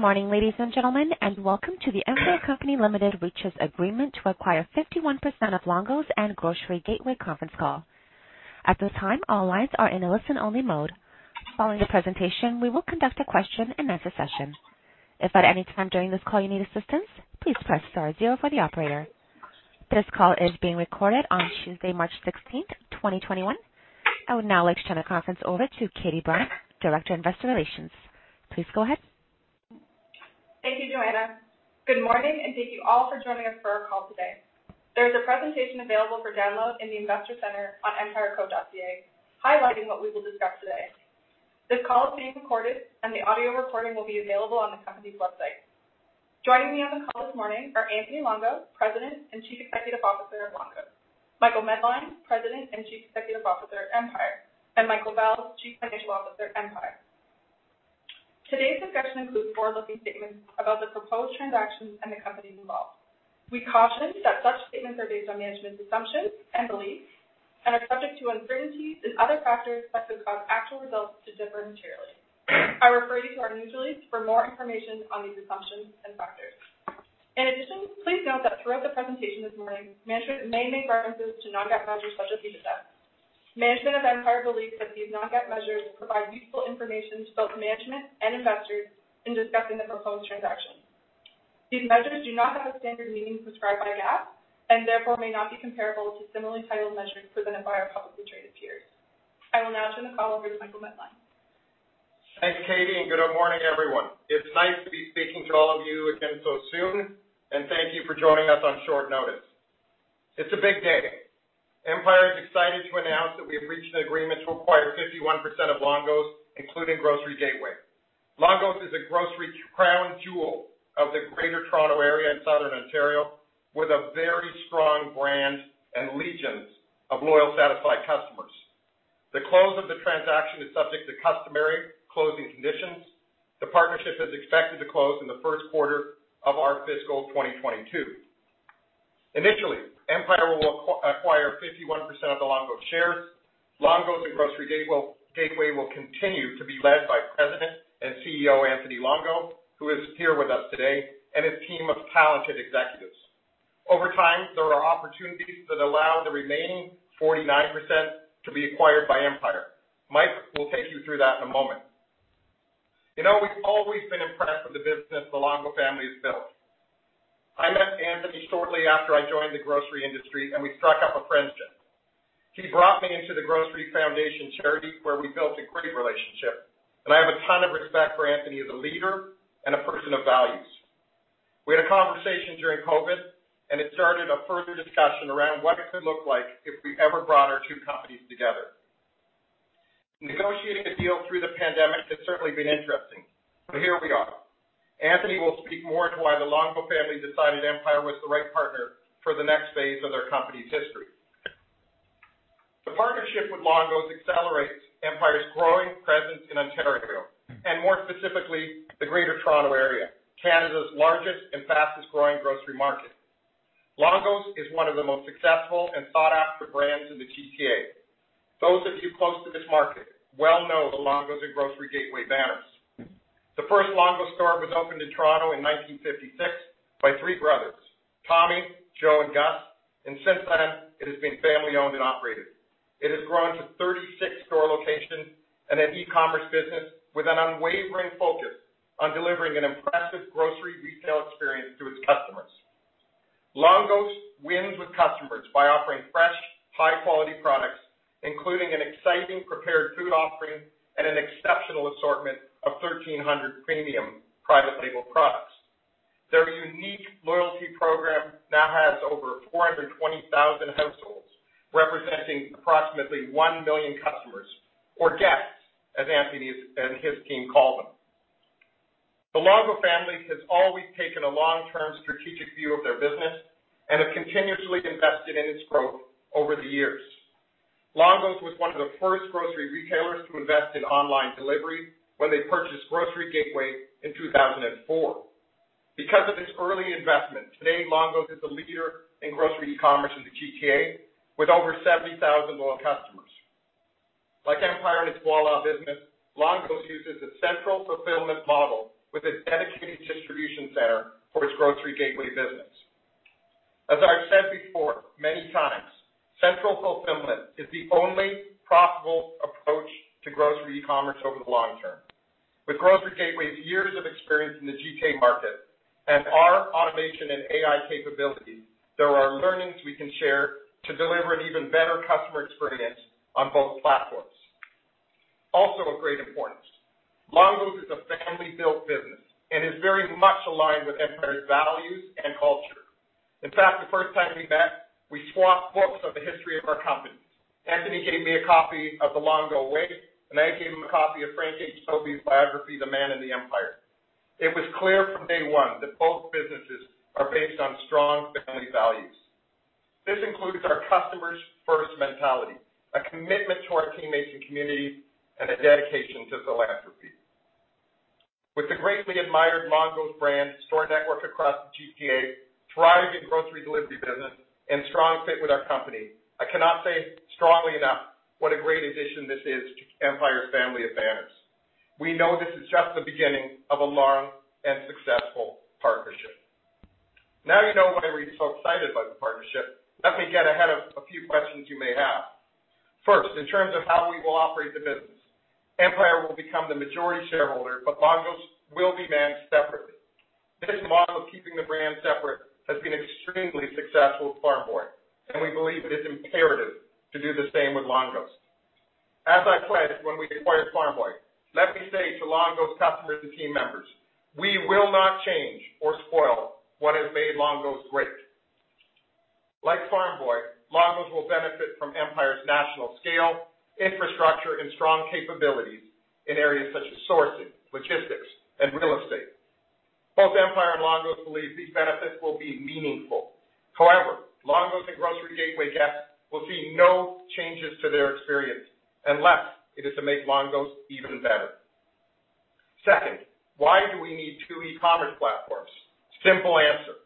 Good morning, ladies and gentlemen, and welcome to the Empire Company Limited Reaches Agreement to Acquire 51% of Longo's and Grocery Gateway conference call. At this time all lines are in listen only mode. Following the presentation we will conduct the question and answer session. If at anytime during this call you need assistance please press star zero for the operator. This call is being recorded on Tuesday, March 16th, 2021. I would now like to turn the conference over to Katie Brine, Director of Investor Relations. Please go ahead. Thank you, Joanna. Good morning, thank you all for joining us for our call today. There is a presentation available for download in the Investor Center on empireco.ca highlighting what we will discuss today. This call is being recorded, the audio recording will be available on the company's website. Joining me on the call this morning are Anthony Longo, President and Chief Executive Officer of Longo's, Michael Medline, President and Chief Executive Officer at Empire, Michael Vels, Chief Financial Officer at Empire. Today's discussion includes forward-looking statements about the proposed transactions and the companies involved. We caution that such statements are based on management's assumptions and beliefs, are subject to uncertainties and other factors that could cause actual results to differ materially. I refer you to our news release for more information on these assumptions and factors. In addition, please note that throughout the presentation this morning, management may make references to non-GAAP measures such as EBITDA. Management of Empire believes that these non-GAAP measures provide useful information to both management and investors in discussing the proposed transaction. These measures do not have a standard meaning prescribed by GAAP and therefore may not be comparable to similarly titled measures presented by our publicly traded peers. I will now turn the call over to Michael Medline. Thanks, Katie, and good morning, everyone. It's nice to be speaking to all of you again so soon, and thank you for joining us on short notice. It's a big day. Empire is excited to announce that we have reached an agreement to acquire 51% of Longo's, including Grocery Gateway. Longo's is a grocery crown jewel of the Greater Toronto area in southern Ontario, with a very strong brand and legions of loyal, satisfied customers. The close of the transaction is subject to customary closing conditions. The partnership is expected to close in the first quarter of our fiscal 2022. Initially, Empire will acquire 51% of the Longo's shares. Longo's and Grocery Gateway will continue to be led by President and CEO, Anthony Longo, who is here with us today, and his team of talented executives. Over time, there are opportunities that allow the remaining 49% to be acquired by Empire. Mike will take you through that in a moment. We've always been impressed with the business the Longo family has built. I met Anthony shortly after I joined the grocery industry, and we struck up a friendship. He brought me into The Grocery Foundation charity, where we built a great relationship, and I have a ton of respect for Anthony as a leader and a person of values. We had a conversation during COVID, and it started a further discussion around what it could look like if we ever brought our two companies together. Negotiating a deal through the pandemic has certainly been interesting, but here we are. Anthony will speak more to why the Longo family decided Empire was the right partner for the next phase of their company's history. The partnership with Longo's accelerates Empire's growing presence in Ontario and, more specifically, the Greater Toronto area, Canada's largest and fastest growing grocery market. Longo's is one of the most successful and sought-after brands in the GTA. Those of you close to this market well know the Longo's and Grocery Gateway banners. The first Longo's store was opened in Toronto in 1956 by three brothers, Tommy, Joe, and Gus, and since then, it has been family owned and operated. It has grown to 36 store locations and an e-commerce business with an unwavering focus on delivering an impressive grocery retail experience to its customers. Longo's wins with customers by offering fresh, high-quality products, including an exciting prepared food offering and an exceptional assortment of 1,300 premium private label products. Their unique loyalty program now has over 420,000 households, representing approximately 1 million customers or guests, as Anthony and his team call them. The Longo family has always taken a long-term strategic view of their business and have continuously invested in its growth over the years. Longo's was one of the first grocery retailers to invest in online delivery when they purchased Grocery Gateway in 2004. Because of this early investment, today Longo's is a leader in grocery e-commerce in the GTA, with over 70,000 loyal customers. Like Empire and its Voilà business, Longo's uses a central fulfillment model with a dedicated distribution center for its Grocery Gateway business. As I've said before many times, central fulfillment is the only profitable approach to grocery e-commerce over the long term. With Grocery Gateway's years of experience in the GTA market and our automation and AI capability, there are learnings we can share to deliver an even better customer experience on both platforms. Also of great importance, Longo's is a family-built business and is very much aligned with Empire's values and culture. In fact, the first time we met, we swapped books of the history of our companies. Anthony gave me a copy of "The Longo Way," and I gave him a copy of Frank H. Sobey's biography, "The Man and the Empire." It was clear from day one that both businesses are based on strong family values. This includes our customers first mentality, a commitment to our teammates and community, and a dedication to philanthropy. With the greatly admired Longo's brand, store network across the GTA, thriving grocery delivery business, and strong fit with our company, I cannot say strongly enough what a great addition this is to Empire family of banners. We know this is just the beginning of a long and successful partnership. You know why we're so excited about the partnership, let me get ahead of a few questions you may have. First, in terms of how we will operate the business, Empire will become the majority shareholder, but Longo's will be managed separately. This model of keeping the brand separate has been extremely successful with Farm Boy, and we believe it is imperative to do the same with Longo's. As I pledged when we acquired Farm Boy, let me say to Longo's customers and team members, we will not change or spoil what has made Longo's great. Like Farm Boy, Longo's will benefit from Empire's national scale, infrastructure, and strong capabilities in areas such as sourcing, logistics, and real estate. Both Empire and Longo's believe these benefits will be meaningful. However, Longo's and Grocery Gateway guests will see no changes to their experience unless it is to make Longo's even better. Second, why do we need two e-commerce platforms? Simple answer.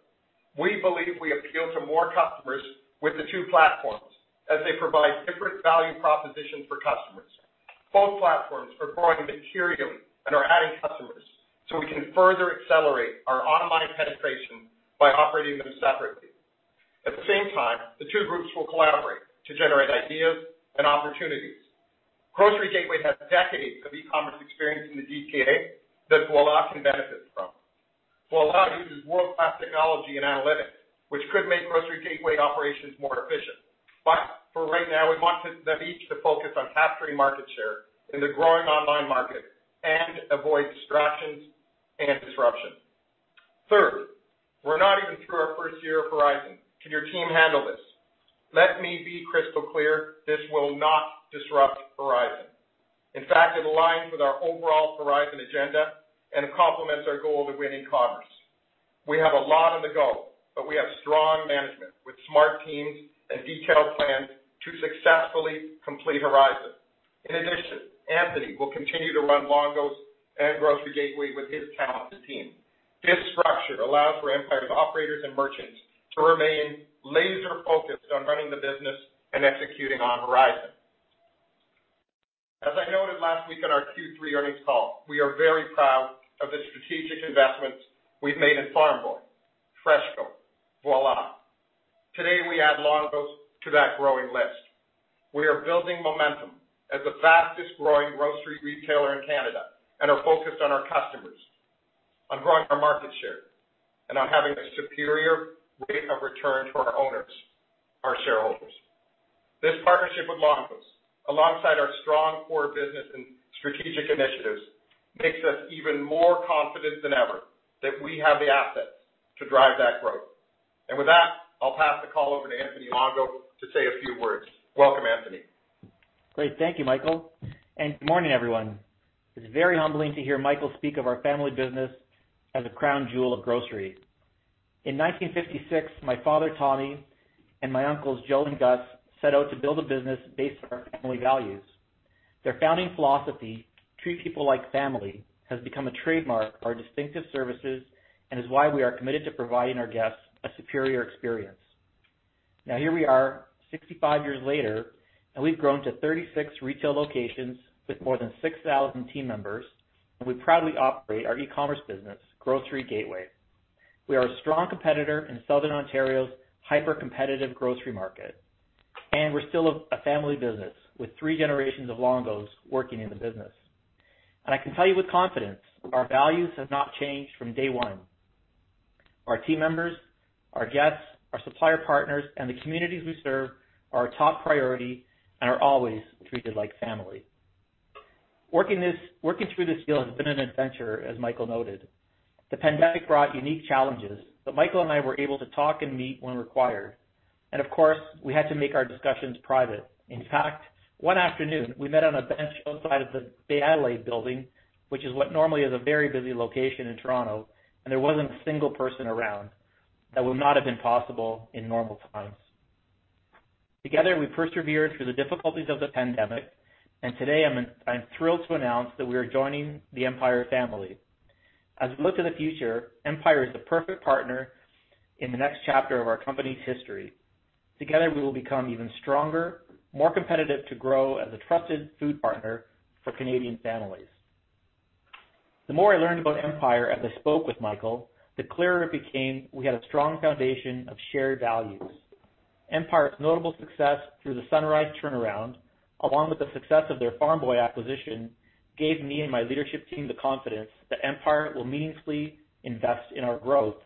We believe we appeal to more customers with the two platforms, as they provide different value propositions for customers. Both platforms are growing materially and are adding customers, so we can further accelerate our online penetration by operating them separately. At the same time, the two groups will collaborate to generate ideas and opportunities. Grocery Gateway has decades of e-commerce experience in the GTA that Voilà can benefit from. Voilà uses world-class technology and analytics, which could make Grocery Gateway operations more efficient. For right now, we want them each to focus on capturing market share in the growing online market and avoid distractions and disruption. Third, we're not even through our first year of Project Horizon. Can your team handle this? Let me be crystal clear. This will not disrupt Project Horizon. In fact, it aligns with our overall Project Horizon agenda and complements our goal to winning commerce. We have a lot on the go, but we have strong management with smart teams and detailed plans to successfully complete Project Horizon. In addition, Anthony will continue to run Longo's and Grocery Gateway with his talented team. This structure allows for Empire's operators and merchants to remain laser-focused on running the business and executing on Project Horizon. As I noted last week in our Q3 earnings call, we are very proud of the strategic investments we've made in Farm Boy, FreshCo, Voilà. Today, we add Longo's to that growing list. We are building momentum as the fastest-growing grocery retailer in Canada and are focused on our customers, on growing our market share, and on having a superior rate of return for our owners, our shareholders. This partnership with Longo's, alongside our strong core business and strategic initiatives, makes us even more confident than ever that we have the assets to drive that growth. With that, I'll pass the call over to Anthony Longo to say a few words. Welcome, Anthony. Great. Thank you, Michael. Good morning, everyone. It's very humbling to hear Michael speak of our family business as a crown jewel of grocery. In 1956, my father, Tommy, and my uncles, Joe and Gus, set out to build a business based on our family values. Their founding philosophy, treat people like family, has become a trademark of our distinctive services and is why we are committed to providing our guests a superior experience. Now, here we are, 65 years later, and we've grown to 36 retail locations with more than 6,000 team members, and we proudly operate our e-commerce business, Grocery Gateway. We are a strong competitor in Southern Ontario's hyper-competitive grocery market, and we're still a family business with three generations of Longo's working in the business. I can tell you with confidence, our values have not changed from day one. Our team members, our guests, our supplier partners, and the communities we serve are our top priority and are always treated like family. Working through this deal has been an adventure, as Michael noted. The pandemic brought unique challenges. Michael and I were able to talk and meet when required. Of course, we had to make our discussions private. In fact, one afternoon we met on a bench outside of the Bay Adelaide building, which is what normally is a very busy location in Toronto. There wasn't a single person around. That would not have been possible in normal times. Together, we persevered through the difficulties of the pandemic. Today I'm thrilled to announce that we are joining the Empire family. As we look to the future, Empire is the perfect partner in the next chapter of our company's history. Together, we will become even stronger, more competitive to grow as a trusted food partner for Canadian families. The more I learned about Empire as I spoke with Michael, the clearer it became we had a strong foundation of shared values. Empire's notable success through the Project Sunrise turnaround, along with the success of their Farm Boy acquisition, gave me and my leadership team the confidence that Empire will meaningfully invest in our growth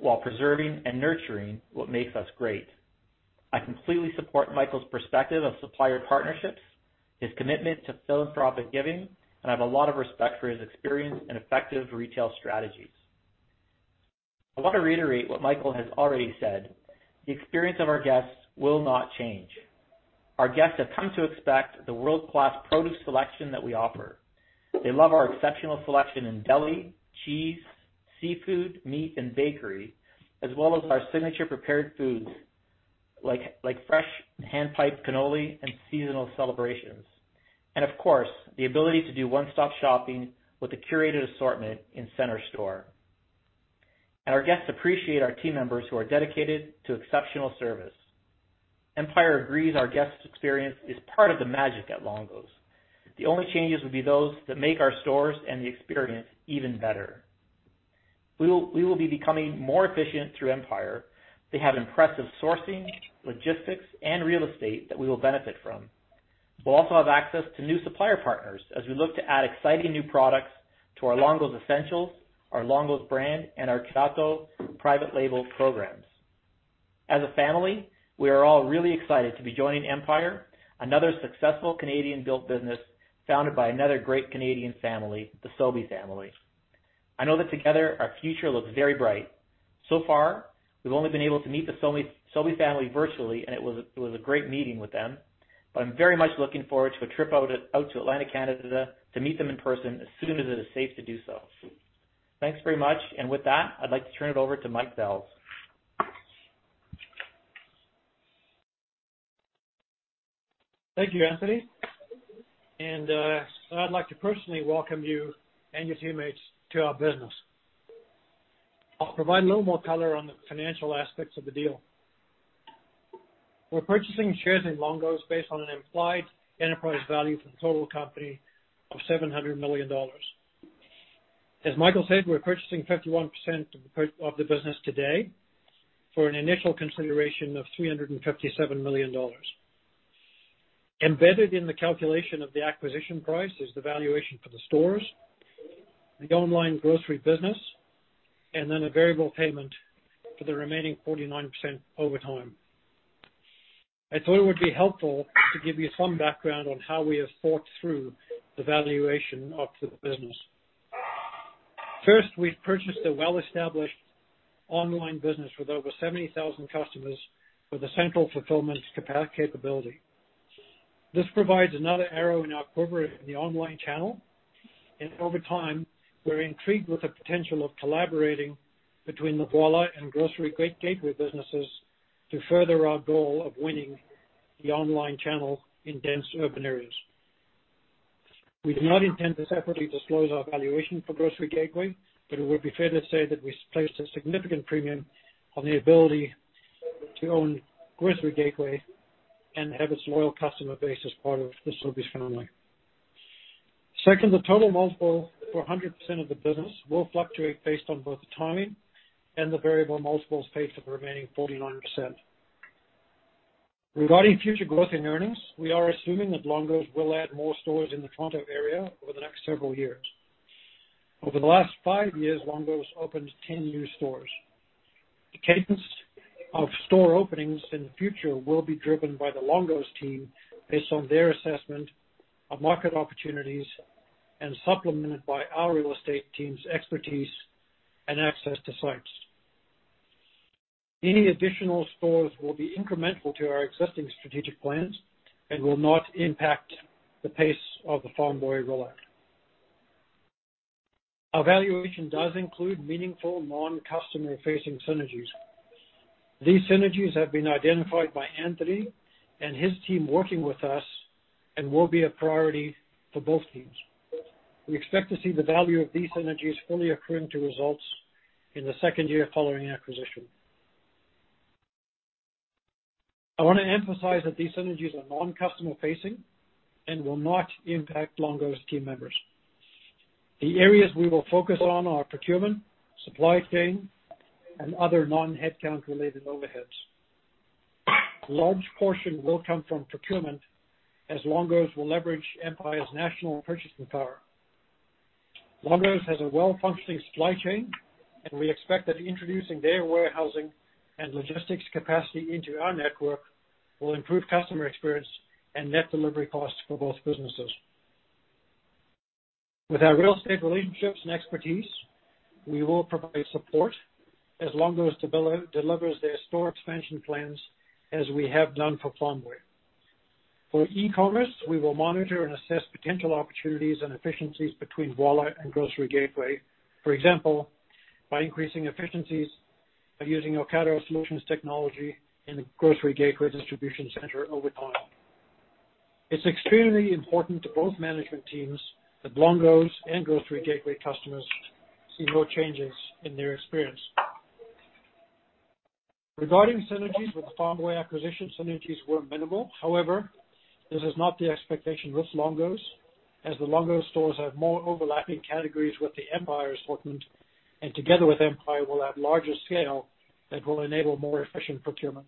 while preserving and nurturing what makes us great. I completely support Michael's perspective of supplier partnerships, his commitment to philanthropic giving, and I have a lot of respect for his experience and effective retail strategies. I want to reiterate what Michael has already said. The experience of our guests will not change. Our guests have come to expect the world-class produce selection that we offer. They love our exceptional selection in deli, cheese, seafood, meat, and bakery, as well as our signature prepared foods like fresh hand-piped cannoli and seasonal celebrations. Of course, the ability to do one-stop shopping with a curated assortment in center store. Our guests appreciate our team members who are dedicated to exceptional service. Empire agrees our guest experience is part of the magic at Longo's. The only changes will be those that make our stores and the experience even better. We will be becoming more efficient through Empire. They have impressive sourcing, logistics, and real estate that we will benefit from. We'll also have access to new supplier partners as we look to add exciting new products to our Longo's Essentials, our Longo's brand, and our Curato private label programs. As a family, we are all really excited to be joining Empire, another successful Canadian-built business founded by another great Canadian family, the Sobey family. I know that together our future looks very bright. So far, we've only been able to meet the Sobey family virtually, and it was a great meeting with them, but I'm very much looking forward to a trip out to Atlantic Canada to meet them in person as soon as it is safe to do so. Thanks very much. With that, I'd like to turn it over to Michael Vels. Thank you, Anthony. I'd like to personally welcome you and your teammates to our business. I'll provide a little more color on the financial aspects of the deal. We're purchasing shares in Longo's based on an implied enterprise value for the total company of 700 million dollars. As Michael said, we're purchasing 51% of the business today for an initial consideration of 357 million dollars. Embedded in the calculation of the acquisition price is the valuation for the stores, the online grocery business, and then a variable payment for the remaining 49% over time. I thought it would be helpful to give you some background on how we have thought through the valuation of the business. First, we've purchased a well-established online business with over 70,000 customers with a central fulfillment capability. This provides another arrow in our quiver in the online channel. Over time, we're intrigued with the potential of collaborating between the Voilà and Grocery Gateway businesses to further our goal of winning the online channel in dense urban areas. We do not intend to separately disclose our valuation for Grocery Gateway. It would be fair to say that we placed a significant premium on the ability to own Grocery Gateway and have its loyal customer base as part of the Sobey family. Second, the total multiple for 100% of the business will fluctuate based on both the timing and the variable multiples paid for the remaining 49%. Regarding future growth in earnings, we are assuming that Longo's will add more stores in the Toronto area over the next several years. Over the last five years, Longo's opened 10 new stores. The cadence of store openings in the future will be driven by the Longo's team based on their assessment of market opportunities and supplemented by our real estate team's expertise and access to sites. Any additional stores will be incremental to our existing strategic plans and will not impact the pace of the Farm Boy rollout. Our valuation does include meaningful non-customer-facing synergies. These synergies have been identified by Anthony and his team working with us and will be a priority for both teams. We expect to see the value of these synergies fully accruing to results in the second year following acquisition. I want to emphasize that these synergies are non-customer facing and will not impact Longo's team members. The areas we will focus on are procurement, supply chain, and other non-headcount related overheads. A large portion will come from procurement as Longo's will leverage Empire's national purchasing power. Longo's has a well-functioning supply chain, and we expect that introducing their warehousing and logistics capacity into our network will improve customer experience and net delivery costs for both businesses. With our real estate relationships and expertise, we will provide support as Longo's delivers their store expansion plans as we have done for Farm Boy. For e-commerce, we will monitor and assess potential opportunities and efficiencies between Voilà and Grocery Gateway. For example, by increasing efficiencies by using Ocado Solutions technology in the Grocery Gateway distribution center over time. It's extremely important to both management teams that Longo's and Grocery Gateway customers see no changes in their experience. Regarding synergies with the Farm Boy acquisition, synergies were minimal. However, this is not the expectation with Longo's, as the Longo's stores have more overlapping categories with the Empire assortment, and together with Empire will have larger scale that will enable more efficient procurement.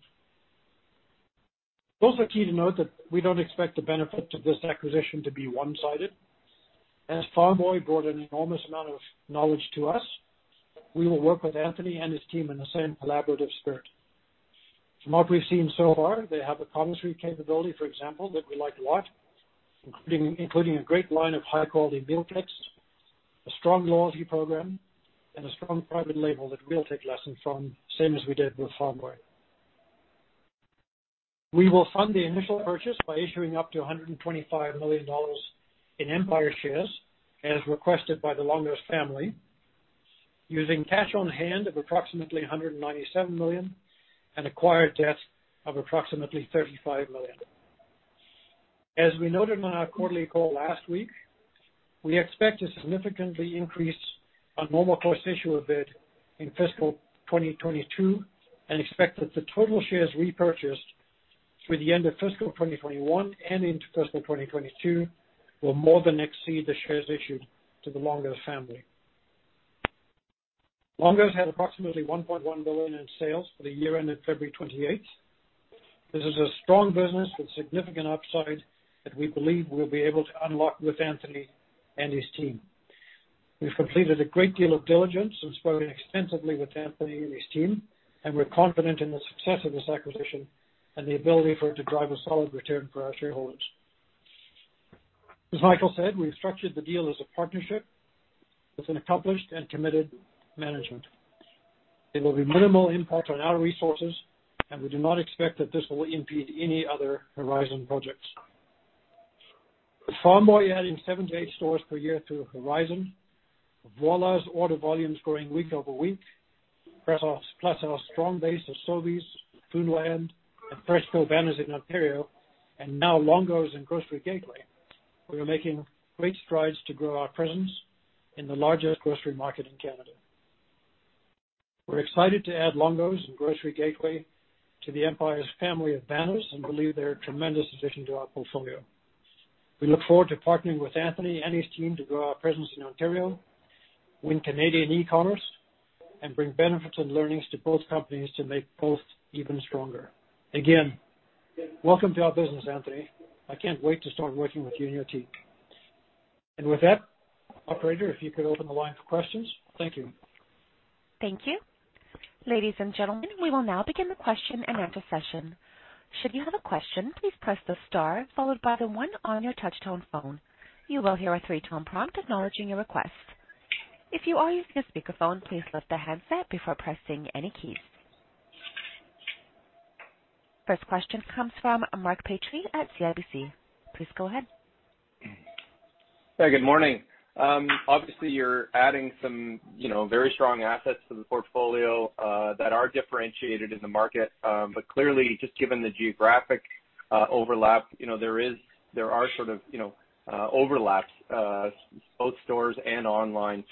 It's also key to note that we don't expect the benefit of this acquisition to be one-sided. As Farm Boy brought an enormous amount of knowledge to us, we will work with Anthony and his team in the same collaborative spirit. From what we've seen so far, they have a commissary capability, for example, that we like a lot, including a great line of high-quality meal kits, a strong loyalty program, and a strong private label that we'll take lessons from same as we did with Farm Boy. We will fund the initial purchase by issuing up to 125 million dollars in Empire shares, as requested by the Longo family, using cash on hand of approximately 197 million and acquired debt of approximately 35 million. As we noted on our quarterly call last week, we expect to significantly increase our Normal Course Issuer Bid in fiscal 2022 and expect that the total shares repurchased through the end of fiscal 2021 and into fiscal 2022 will more than exceed the shares issued to the Longo family. Longo's had approximately 1.1 billion in sales for the year ended February 28th. This is a strong business with significant upside that we believe we'll be able to unlock with Anthony and his team. We've completed a great deal of diligence and spoken extensively with Anthony and his team, and we're confident in the success of this acquisition and the ability for it to drive a solid return for our shareholders. As Michael said, we've structured the deal as a partnership with an accomplished and committed management. It will be minimal impact on our resources, and we do not expect that this will impede any other Horizon projects. With Farm Boy adding seven to eight stores per year through Horizon, Voilà's order volumes growing week over week, plus our strong base of Sobeys, Foodland, and FreshCo banners in Ontario, and now Longo's and Grocery Gateway, we are making great strides to grow our presence in the largest grocery market in Canada. We're excited to add Longo's and Grocery Gateway to the Empire's family of banners and believe they're a tremendous addition to our portfolio. We look forward to partnering with Anthony and his team to grow our presence in Ontario, win Canadian e-commerce, and bring benefits and learnings to both companies to make both even stronger. Again, welcome to our business, Anthony. I can't wait to start working with you and your team. With that, operator, if you could open the line for questions. Thank you. Thank you. Ladies and gentlemen, we will now begin the question and answer session. Should you have a question, please press the star followed by the one on your touch-tone phone. You will hear a three-tone prompt acknowledging your request. If you are using a speakerphone, please lift the handset before pressing any keys. First question comes from Mark Petrie at CIBC. Please go ahead. Yeah, good morning. Obviously, you're adding some very strong assets to the portfolio, that are differentiated in the market. Clearly, just given the geographic overlap, there are sort of overlaps, both stores and online.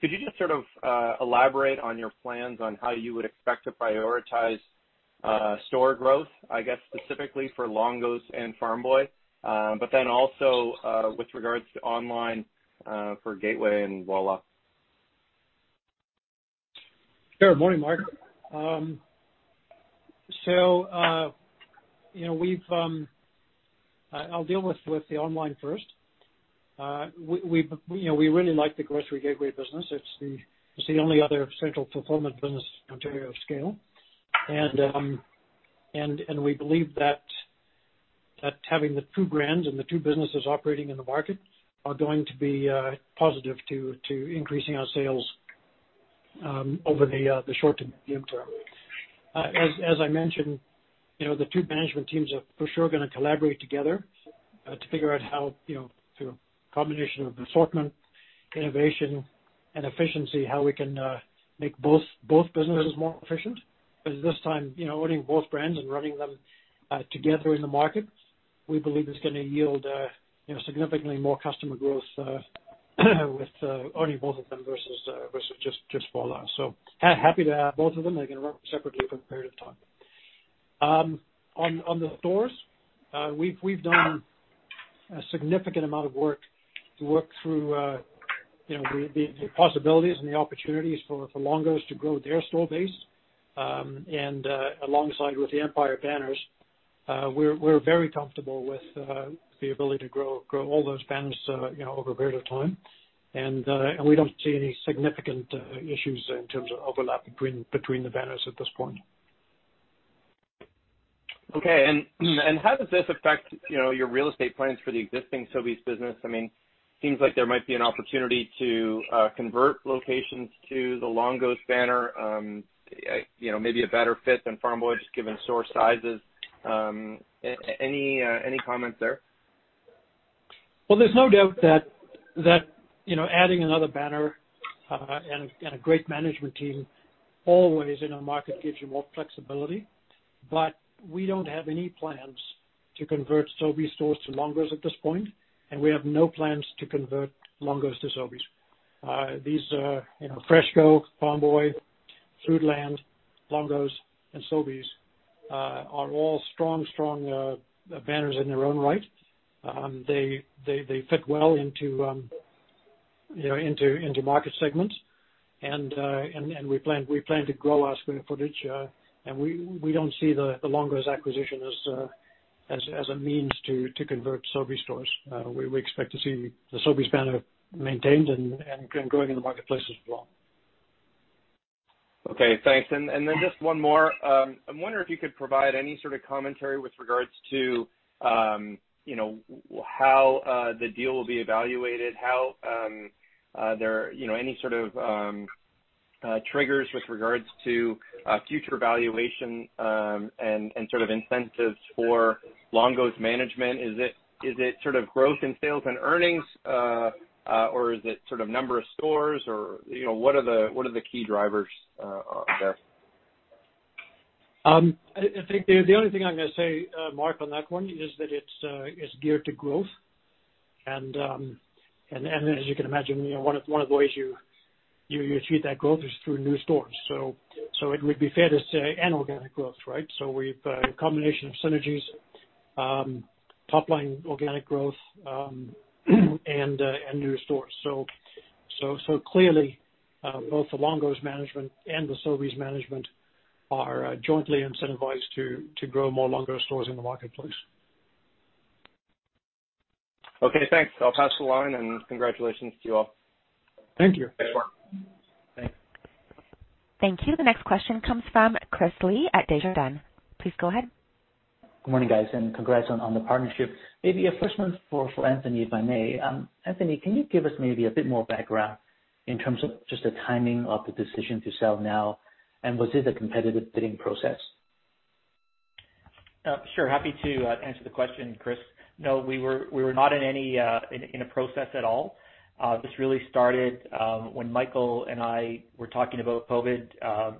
Could you just sort of elaborate on your plans on how you would expect to prioritize store growth, I guess, specifically for Longo's and Farm Boy, also, with regards to online, for Gateway and Voilà? Sure. Morning, Mark. I'll deal with the online first. We really like the Grocery Gateway business. It's the only other central fulfillment business in Ontario of scale. We believe that having the two brands and the two businesses operating in the market are going to be positive to increasing our sales over the short to medium term. As I mentioned, the two management teams are for sure going to collaborate together to figure out how, through a combination of assortment, innovation, and efficiency, how we can make both businesses more efficient. This time, owning both brands and running them together in the market, we believe is going to yield significantly more customer growth with owning both of them versus just Voilà. Happy to have both of them. They can run separately for a period of time. On the stores, we've done a significant amount of work to work through the possibilities and the opportunities for Longo's to grow their store base. Alongside with the Empire banners, we're very comfortable with the ability to grow all those banners, over a period of time. We don't see any significant issues in terms of overlap between the banners at this point. Okay. How does this affect your real estate plans for the existing Sobeys business? It seems like there might be an opportunity to convert locations to the Longo's banner. Maybe a better fit than Farm Boy, just given store sizes. Any comments there? Well, there's no doubt that adding another banner and a great management team always in a market gives you more flexibility. We don't have any plans to convert Sobeys stores to Longo's at this point, and we have no plans to convert Longo's to Sobeys. FreshCo, Farm Boy, Foodland, Longo's, and Sobeys are all strong banners in their own right. They fit well into market segments. We plan to grow our square footage, and we don't see the Longo's acquisition as a means to convert Sobeys stores. We expect to see the Sobeys banner maintained and growing in the marketplace as well. Okay, thanks. Just one more. I'm wondering if you could provide any sort of commentary with regards to how the deal will be evaluated, any sort of triggers with regards to future valuation, and sort of incentives for Longo's management. Is it sort of growth in sales and earnings, or is it sort of number of stores or what are the key drivers there? I think the only thing I'm going to say, Mark, on that one is that it's geared to growth. As you can imagine, one of the ways you achieve that growth is through new stores. It would be fair to say an organic growth, right? We've a combination of synergies, top line organic growth and new stores. Clearly, both the Longo's management and the Sobeys management are jointly incentivized to grow more Longo's stores in the marketplace. Okay, thanks. I'll pass the line, and congratulations to you all. Thank you. Thanks, Mark. Thank you. The next question comes from Chris Li at Desjardins. Please go ahead. Good morning, guys. Congrats on the partnership. Maybe a first one for Anthony, if I may. Anthony, can you give us maybe a bit more background in terms of just the timing of the decision to sell now and was it a competitive bidding process? Sure. Happy to answer the question, Chris. No, we were not in a process at all. This really started when Michael and I were talking about COVID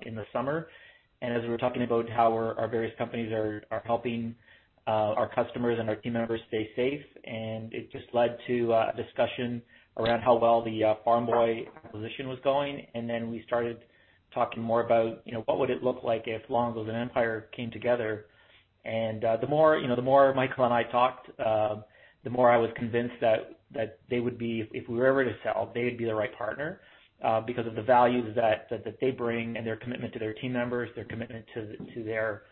in the summer, and as we were talking about how our various companies are helping our customers and our team members stay safe, and it just led to a discussion around how well the Farm Boy acquisition was going. Then we started talking more about what would it look like if Longo's and Empire came together. The more Michael and I talked, the more I was convinced that if we were ever to sell, they'd be the right partner because of the values that they bring and their commitment to their team members, their commitment to their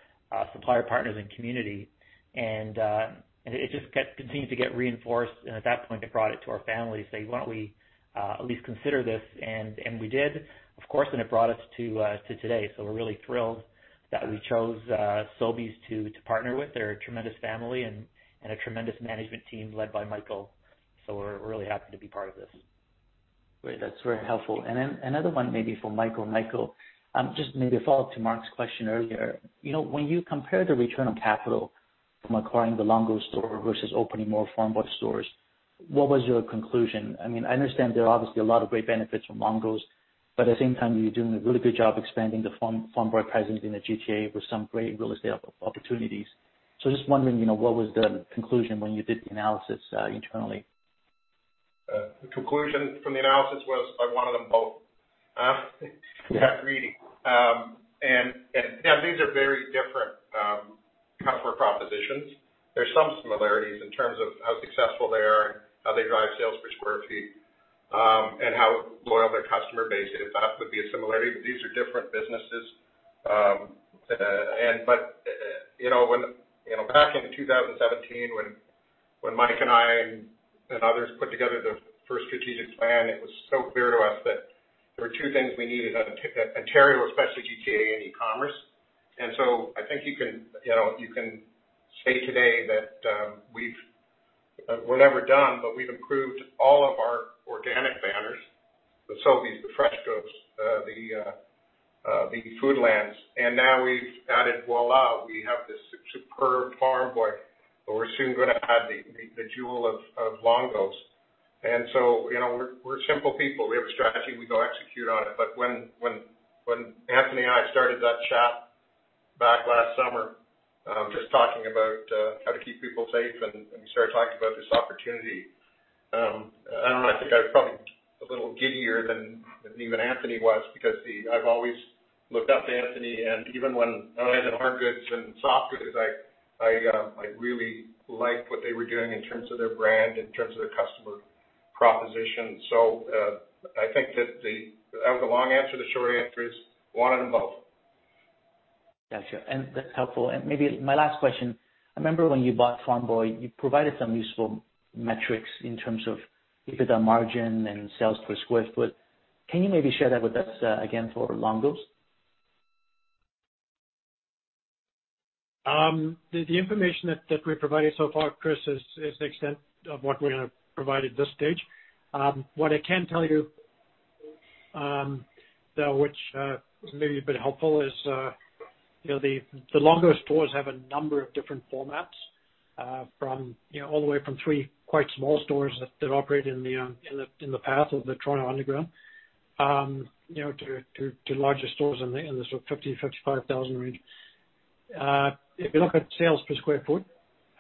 supplier partners and community. It just continued to get reinforced, and at that point, I brought it to our family to say, "Why don't we at least consider this?" We did, of course, and it brought us to today. We're really thrilled that we chose Sobeys to partner with. They're a tremendous family and a tremendous management team led by Michael. We're really happy to be part of this. Great. That's very helpful. Another one maybe for Michael. Michael, just maybe to follow up to Mark's question earlier. When you compare the return on capital from acquiring the Longo's store versus opening more Farm Boy stores, what was your conclusion? I understand there are obviously a lot of great benefits from Longo's, but at the same time, you're doing a really good job expanding the Farm Boy presence in the GTA with some great real estate opportunities. Just wondering what was the conclusion when you did the analysis internally. The conclusion from the analysis was I wanted them both. Exactly. These are very different customer propositions. There's some similarities in terms of how successful they are and how they drive sales per square feet, and how loyal their customer base is. That would be a similarity, these are different businesses. Back in 2017, when Mike and I and others put together the first strategic plan, it was so clear to us that there were two things we needed out of Ontario, especially GTA and e-commerce. I think you can say today that we're never done, we've improved all of our organic banners, the Sobeys, the FreshCos, the Foodlands, and now we've added, Voilà, we have this superb Farm Boy, we're soon going to add the jewel of Longo's. We're simple people. We have a strategy, we go execute on it. When Anthony and I started that chat back last summer, just talking about how to keep people safe, and we started talking about this opportunity, I don't know, I think I was probably a little giddier than even Anthony was because I've always looked up to Anthony and even when I was in hard goods and soft goods, I really liked what they were doing in terms of their brand, in terms of their customer proposition. I think that that was the long answer. The short answer is, wanted them both. Got you. That's helpful. Maybe my last question, I remember when you bought Farm Boy, you provided some useful metrics in terms of EBITDA margin and sales per square foot. Can you maybe share that with us again for Longo's? The information that we've provided so far, Chris, is the extent of what we're going to provide at this stage. What I can tell you, though, which may be a bit helpful, is the Longo's stores have a number of different formats all the way from three quite small stores that operate in the Toronto PATH to larger stores in the sort of 50,000, 55,000 range. If you look at sales per sq ft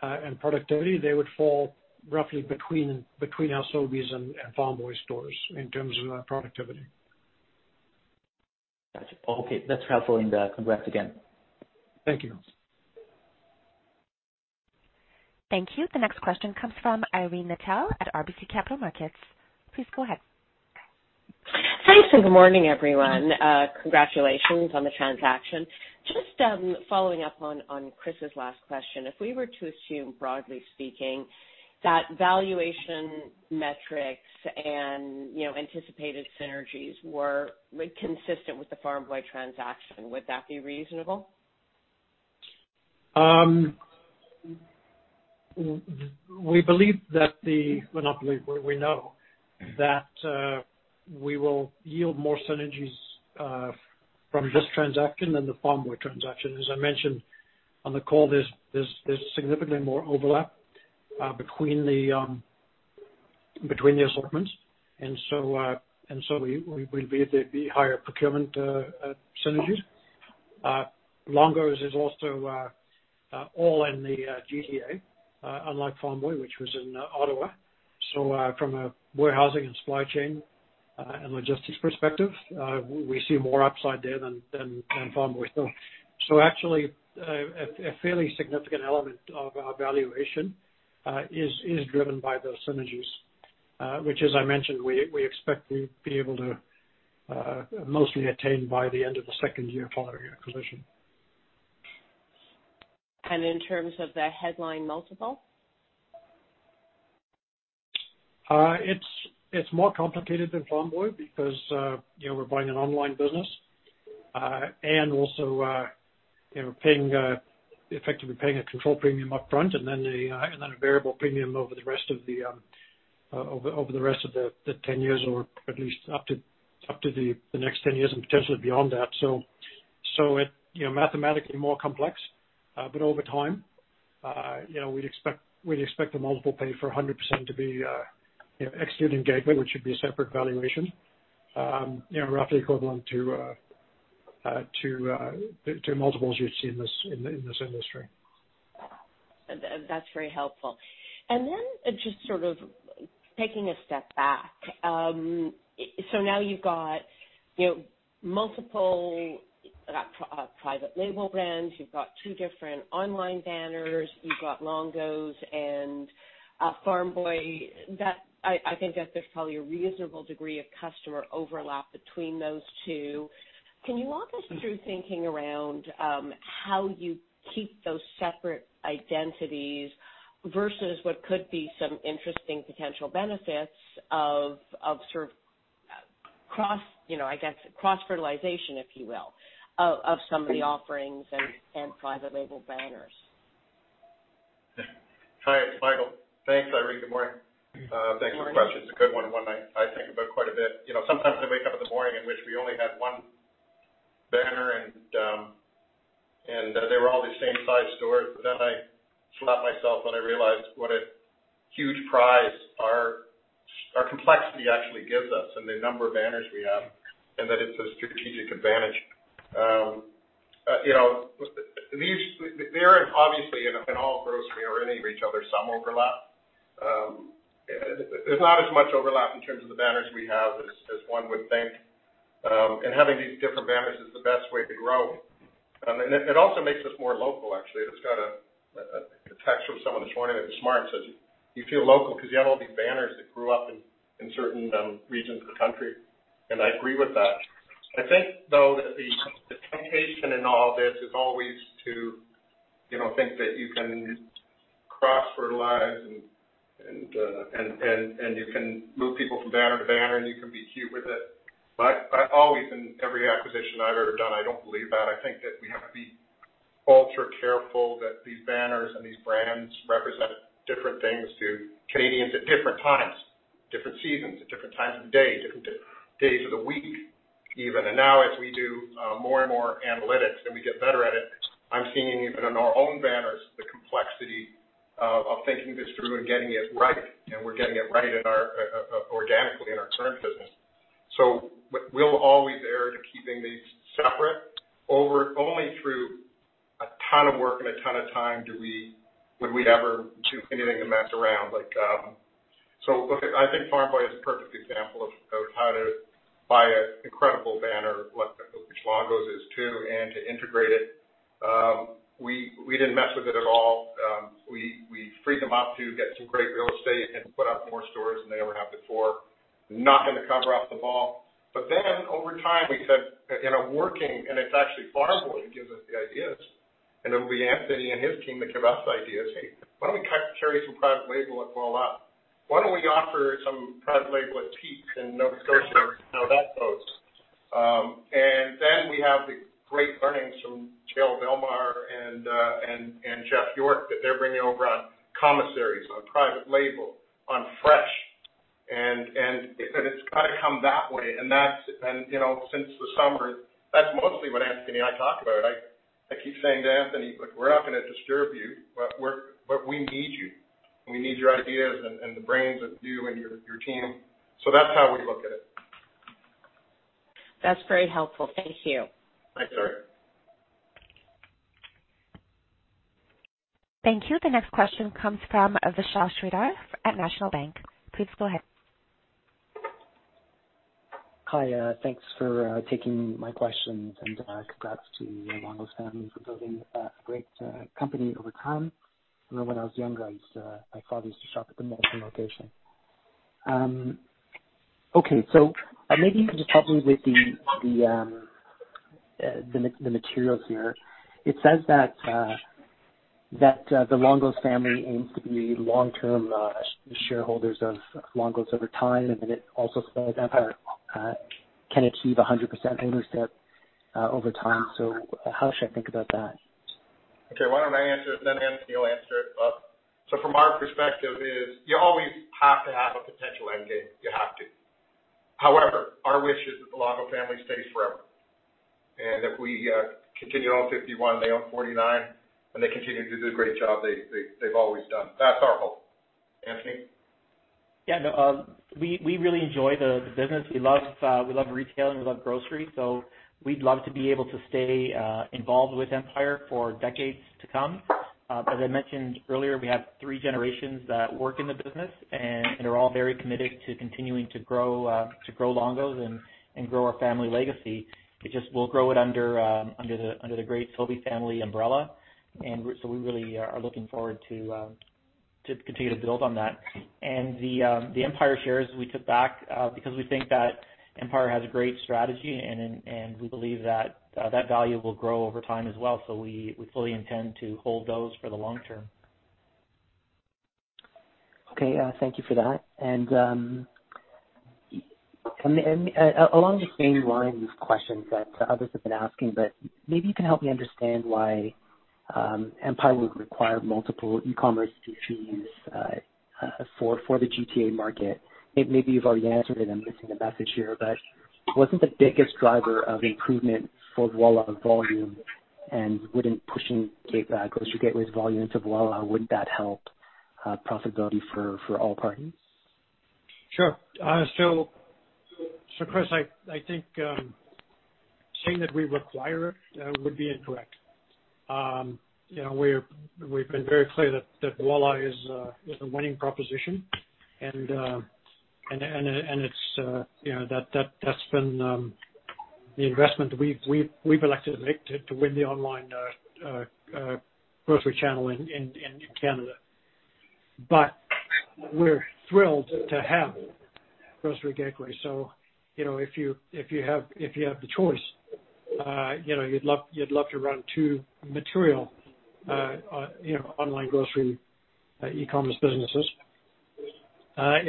and productivity, they would fall roughly between our Sobeys and Farm Boy stores in terms of productivity. Got you. Okay. That's helpful. Congrats again. Thank you. Thank you. The next question comes from Irene Nattel at RBC Capital Markets. Please go ahead. Thanks and good morning, everyone. Congratulations on the transaction. Just following up on Chris's last question, if we were to assume, broadly speaking, that valuation metrics and anticipated synergies were consistent with the Farm Boy transaction, would that be reasonable? We believe that the Well, not believe. We know that we will yield more synergies from this transaction than the Farm Boy transaction. As I mentioned on the call, there's significantly more overlap Between the assortments. We believe there'd be higher procurement synergies. Longo's is also all in the GTA, unlike Farm Boy, which was in Ottawa. From a warehousing and supply chain, and logistics perspective, we see more upside there than Farm Boy. Actually, a fairly significant element of our valuation is driven by those synergies, which as I mentioned, we expect to be able to mostly attain by the end of the second year following the acquisition. In terms of the headline multiple? It's more complicated than Farm Boy because we're buying an online business. Also effectively paying a control premium upfront and then a variable premium over the rest of the 10 years, or at least up to the next 10 years and potentially beyond that. Mathematically more complex, but over time we'd expect the multiple pay for 100% to be, excluding engagement, which would be a separate valuation, roughly equivalent to multiples you'd see in this industry. That's very helpful. Then just sort of taking a step back. Now you've got multiple private label brands. You've got two different online banners. You've got Longo's and Farm Boy. I think that there's probably a reasonable degree of customer overlap between those two. Can you walk us through thinking around how you keep those separate identities versus what could be some interesting potential benefits of sort of, I guess, cross-fertilization, if you will, of some of the offerings and private label banners? Hi, it's Michael. Thanks, Irene. Good morning. Good morning. Thanks for the question. It's a good one and one I think about quite a bit. Sometimes I wake up in the morning in which we only had one banner and they were all the same five stores, but then I slap myself when I realized what a huge prize our complexity actually gives us and the number of banners we have, and that it's a strategic advantage. There is obviously, in all of grocery or any retail, there's some overlap. There's not as much overlap in terms of the banners we have as one would think. Having these different banners is the best way to grow. It also makes us more local, actually. I just got a text from someone this morning that was smart and says, "You feel local because you have all these banners that grew up in certain regions of the country." I agree with that. I think, though, that the temptation in all this is always to think that you can cross-fertilize and you can move people from banner to banner, and you can be cute with it. Always in every acquisition I've ever done, I don't believe that. I think that we have to be ultra careful that these banners and these brands represent different things to Canadians at different times, different seasons, at different times of the day, different days of the week even. Now as we do more and more analytics and we get better at it, I'm seeing even in our own banners, the complexity of thinking this through and getting it right. We're getting it right organically in our current business. We'll always err to keeping these separate. Only through a ton of work and a ton of time would we ever do anything to mess around. Look, I think Farm Boy is a perfect example of how to buy an incredible banner, which Longo's is too, and to integrate it. We didn't mess with it at all. We freed them up to get some great real estate and put up more stores than they ever have before, not going to cover up the mall. Over time, we said in a working. It's actually Farm Boy who gives us the ideas, and it'll be Anthony and his team that give us ideas. "Hey, why don't we carry some private label at Well.ca? Why don't we offer some private label at Pete's Frootique and see how that goes?" We have the great learnings from Jean-Louis Bellemare and Jeff York that they're bringing over on commissaries, on private label, on fresh. It's got to come that way. Since the summer, that's mostly what Anthony and I talk about. I keep saying to Anthony, "Look, we're not going to disturb you, but we need you, and we need your ideas and the brains of you and your team." That's how we look at it. That's very helpful. Thank you. Thanks, Irene. Thank you. The next question comes from Vishal Shreedhar at National Bank. Please go ahead. Hi. Thanks for taking my questions and congrats to Longo's family for building a great company over time. When I was younger, my father used to shop at the Malton location. Okay. Maybe you can just help me with the materials here. It says that the Longo's family aims to be long-term shareholders of Longo's over time, and then it also spells out how can achieve 100% ownership over time. How should I think about that? Why don't I answer it, then Anthony will answer it. From our perspective is you always have to have a potential end game. Our wish is that the Longo family stays forever. If we continue to own 51, they own 49, and they continue to do the great job they've always done. That's our hope. Anthony? Yeah, no, we really enjoy the business. We love retail, and we love grocery, so we'd love to be able to stay involved with Empire for decades to come. As I mentioned earlier, we have three generations that work in the business and are all very committed to continuing to grow Longo's and grow our family legacy. We'll grow it under the great Sobey family umbrella. We really are looking forward to continue to build on that. The Empire shares we took back because we think that Empire has a great strategy, and we believe that value will grow over time as well. We fully intend to hold those for the long term. Okay, thank you for that. Along the same lines of questions that others have been asking, maybe you can help me understand why Empire would require multiple e-commerce entities for the GTA market? Maybe you've already answered it, and I'm missing the message here. Wasn't the biggest driver of improvement for Voilà volume and pushing Grocery Gateway's volume into Voilà, wouldn't that help profitability for all parties? Sure. Chris, I think saying that we require it would be incorrect. We've been very clear that Voilà is a winning proposition and that's been the investment we've elected to win the online grocery channel in Canada. We're thrilled to have Grocery Gateway. If you have the choice, you'd love to run two material online grocery, e-commerce businesses,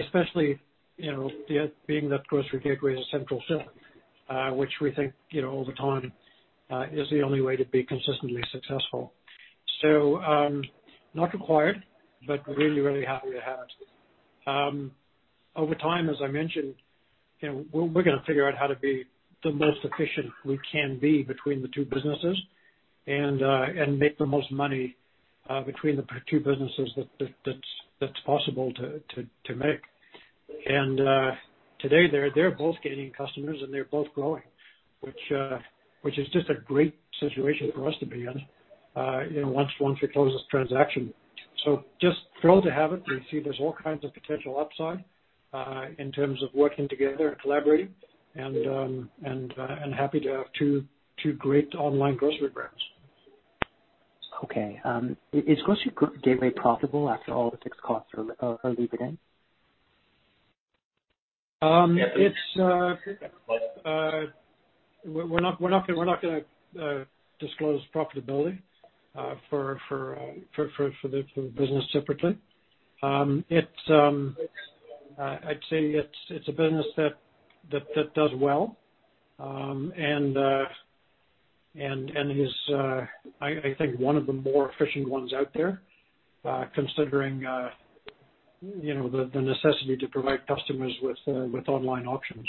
especially being that Grocery Gateway is a central shift, which we think, over time, is the only way to be consistently successful. Not required, but really happy to have it. Over time, as I mentioned, we're going to figure out how to be the most efficient we can be between the two businesses and make the most money between the two businesses that's possible to make. Today, they're both gaining customers, and they're both growing, which is just a great situation for us to be in once we close this transaction. Just thrilled to have it. We see there's all kinds of potential upside in terms of working together and collaborating, and happy to have two great online grocery brands. Okay. Is Grocery Gateway profitable after all the fixed costs are layered in? We're not going to disclose profitability for the business separately. I'd say it's a business that does well, and is, I think, one of the more efficient ones out there, considering the necessity to provide customers with online options.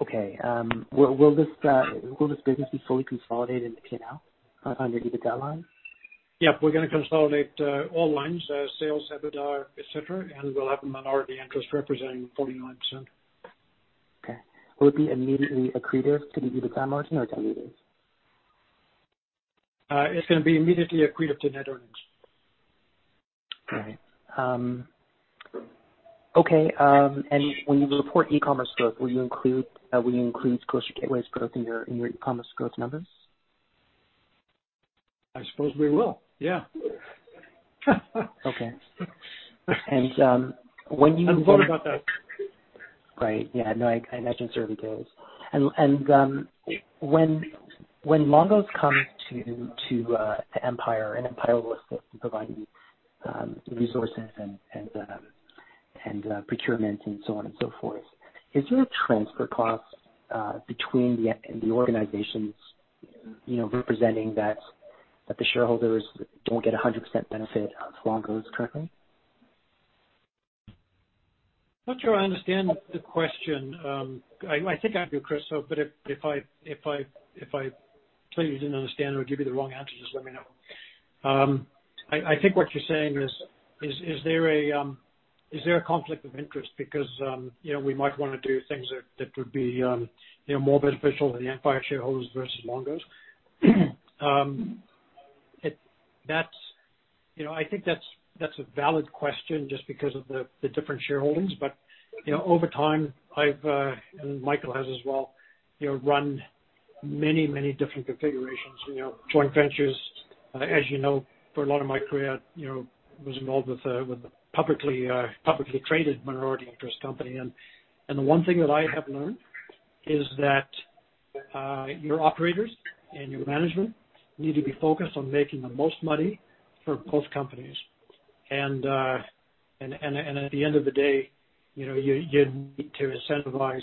Okay. Will this business be fully consolidated into P&L under EBITDA line? Yep. We're gonna consolidate all lines, sales, EBITDA, et cetera, and we'll have a minority interest representing 49%. Okay. Will it be immediately accretive to the EBITDA margin, or can we wait? It's gonna be immediately accretive to net earnings. Okay. When you report e-commerce growth, will you include Grocery Gateway's growth in your e-commerce growth numbers? I suppose we will, yeah. Okay. I'm sorry about that. Right. Yeah, no, I imagine so it is. When Longo's comes to Empire and Empire will provide resources and procurement and so on and so forth, is there a transfer cost between the organizations representing that the shareholders don't get 100% benefit of Longo's directly? Not sure I understand the question. I think I do, Chris, but if I clearly didn't understand or give you the wrong answer, just let me know. I think what you're saying is there a conflict of interest because we might want to do things that would be more beneficial to the Empire shareholders versus Longo's? I think that's a valid question just because of the different shareholdings. Over time, I've, and Michael has as well, run many different configurations, joint ventures. As you know, for a lot of my career, I was involved with a publicly traded minority interest company. The one thing that I have learned is that your operators and your management need to be focused on making the most money for both companies. At the end of the day, you need to incentivize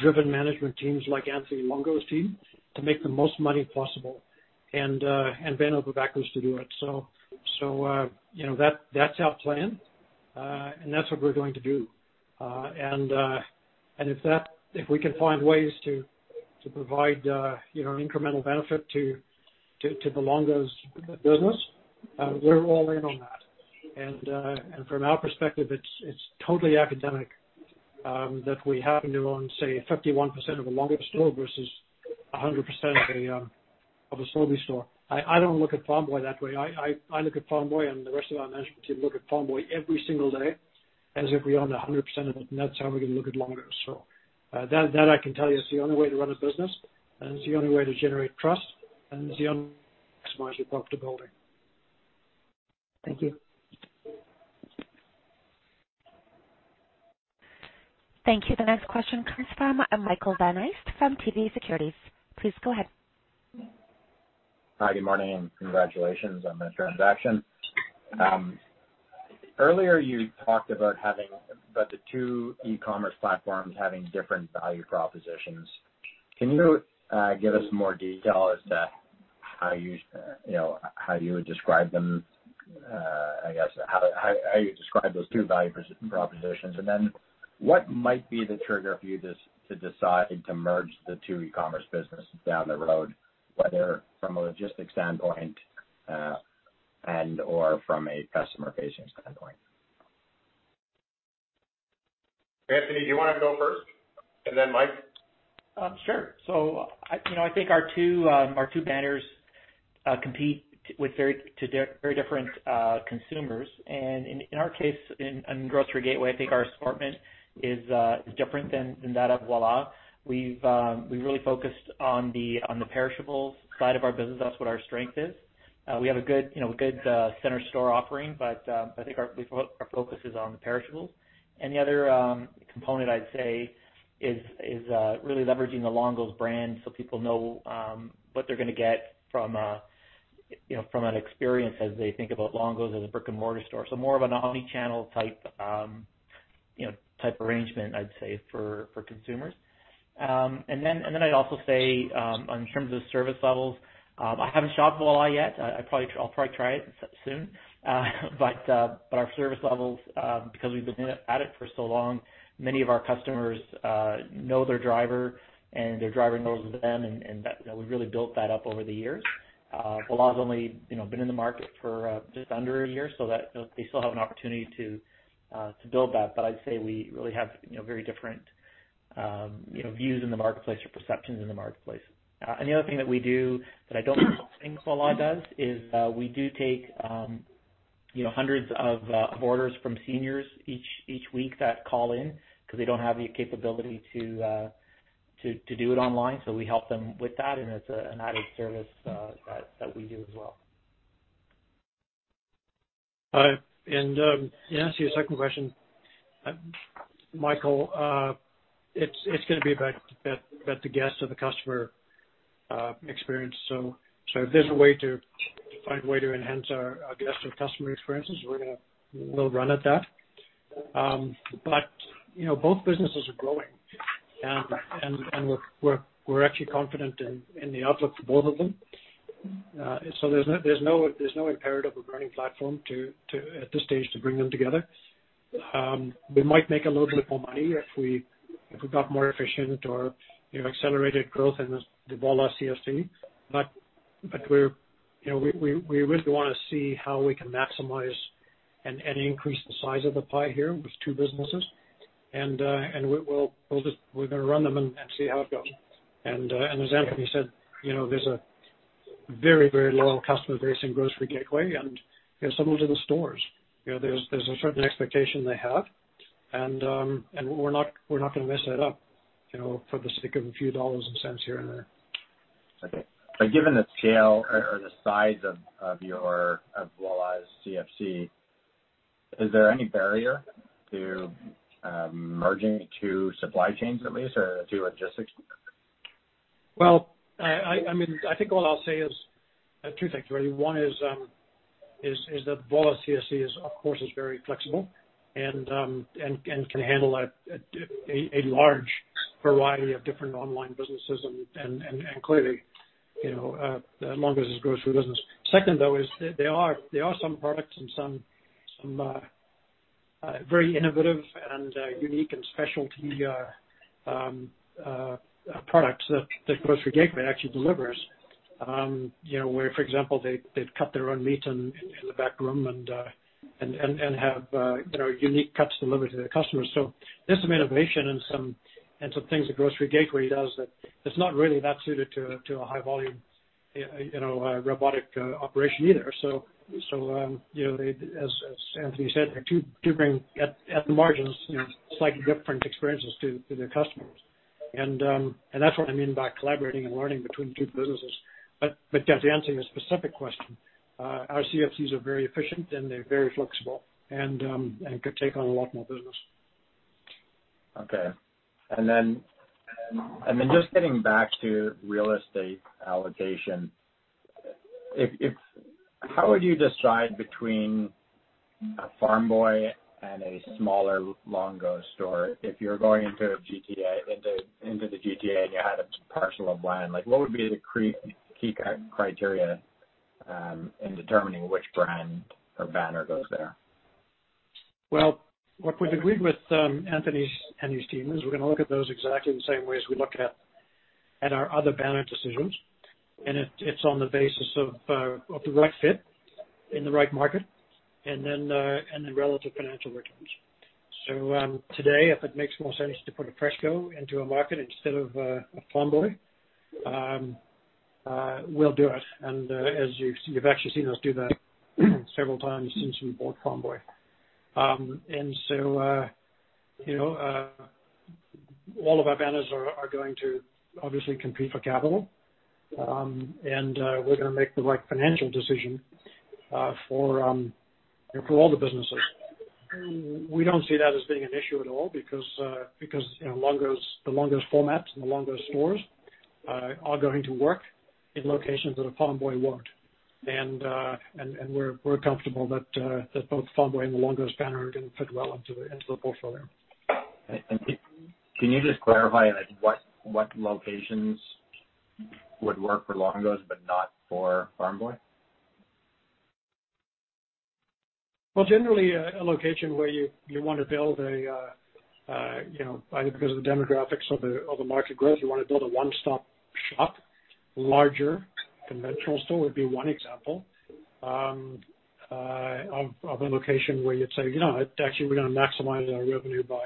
driven management teams like Anthony Longo's team to make the most money possible and Ben Aulbach was to do it. That's our plan, and that's what we're going to do. If we can find ways to provide an incremental benefit to the Longo's business, we're all in on that. From our perspective, it's totally academic that we happen to own, say, 51% of a Longo's store versus 100% of a Sobeys store. I don't look at Farm Boy that way. I look at Farm Boy and the rest of our management team look at Farm Boy every single day as if we own 100% of it, and that's how we're going to look at Longo's. That I can tell you is the only way to run a business, and it's the only way to generate trust, and it's the only way to maximize your profitability. Thank you. Thank you. The next question comes from Michael Van Aelst from TD Securities. Please go ahead. Hi, good morning. Congratulations on the transaction. Earlier you talked about the two e-commerce platforms having different value propositions. Can you give us more detail as to how you would describe them? I guess, how you describe those two value propositions. Then what might be the trigger for you to decide to merge the two e-commerce businesses down the road, whether from a logistics standpoint, and/or from a customer-facing standpoint? Anthony, do you want to go first, and then Mike? Sure. I think our two banners compete to very different consumers. In our case, in Grocery Gateway, I think our assortment is different than that of Voilà. We've really focused on the perishables side of our business. That's what our strength is. We have a good center store offering, but I think our focus is on the perishables. The other component I'd say is really leveraging the Longo's brand so people know what they're gonna get from an experience as they think about Longo's as a brick-and-mortar store. More of an omni-channel type arrangement, I'd say, for consumers. I'd also say, in terms of service levels, I haven't shopped Voilà yet. I'll probably try it soon. Our service levels, because we've been at it for so long, many of our customers know their driver, and their driver knows them, and we've really built that up over the years. Voilà's only been in the market for just under a year, they still have an opportunity to build that. I'd say we really have very different views in the marketplace or perceptions in the marketplace. The other thing that we do that I don't think Voilà does is we do take hundreds of orders from seniors each week that call in because they don't have the capability to do it online. We help them with that, and it's an added service that we do as well. To answer your second question, Michael, it's gonna be about the guest or the customer experience. If there's a way to find a way to enhance our guest or customer experiences, we'll run at that. Both businesses are growing, and we're actually confident in the outlook for both of them. There's no imperative or burning platform at this stage to bring them together. We might make a little bit more money if we got more efficient or accelerated growth in the Voilà CFC. We really want to see how we can maximize and increase the size of the pie here with two businesses. We're gonna run them and see how it goes. As Anthony said, there's a very, very loyal customer base in Grocery Gateway, and similar to the stores. There's a certain expectation they have, and we're not gonna mess that up for the sake of a few dollars and cents here and there. Okay. Given the scale or the size of Voilà's CFC, is there any barrier to merging two supply chains, at least, or two logistics? Well, I think what I'll say is two things, really. One is that Voilà CFC is, of course, is very flexible and can handle a large variety of different online businesses and clearly, the Longo's grocery business. Second, though, is there are some products and some very innovative and unique and specialty products that Grocery Gateway actually delivers, where, for example, they've cut their own meat in the backroom and have unique cuts delivered to their customers. There's some innovation and some things that Grocery Gateway does that it's not really that suited to a high volume robotic operation either. As Anthony said, they're two different, at the margins, slightly different experiences to their customers. That's what I mean by collaborating and learning between two businesses. To answer your specific question, our CFCs are very efficient, and they're very flexible and could take on a lot more business. Okay. Just getting back to real estate allocation? How would you decide between a Farm Boy and a smaller Longo's store if you're going into the GTA and you had a parcel of land? What would be the key criteria in determining which brand or banner goes there? Well, what we've agreed with Anthony and his team is we're going to look at those exactly the same way as we look at our other banner decisions. It's on the basis of the right fit in the right market and then relative financial returns. Today, if it makes more sense to put a FreshCo into a market instead of a Farm Boy, we'll do it. You've actually seen us do that several times since we bought Farm Boy. All of our banners are going to obviously compete for capital. We're going to make the right financial decision for all the businesses. We don't see that as being an issue at all because the Longo's formats and the Longo's stores are going to work in locations that a Farm Boy won't. We're comfortable that both Farm Boy and the Longo's banner are going to fit well into the portfolio. Can you just clarify what locations would work for Longo's but not for Farm Boy? Well, generally, a location where either because of the demographics of the market growth, you want to build a one-stop shop, larger conventional store would be one example of a location where you'd say, "Actually, we're going to maximize our revenue by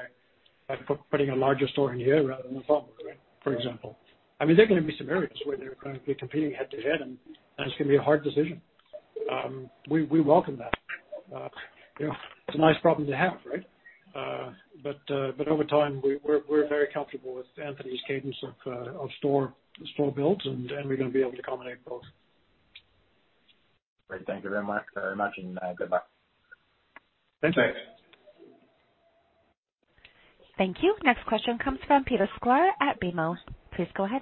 putting a larger store in here rather than a Farm Boy," for example. There are going to be some areas where they're going to be competing head to head, and that's going to be a hard decision. We welcome that. It's a nice problem to have, right? Over time, we're very comfortable with Anthony's cadence of store builds, and we're going to be able to accommodate both. Great. Thank you very much, and goodbye. Thank you. Thanks. Thank you. Next question comes from Peter Sklar at BMO. Please go ahead.